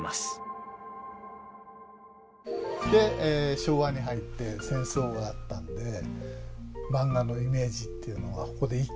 で昭和に入って戦争があったんでマンガのイメージっていうのはここで一気に変わってしまいます。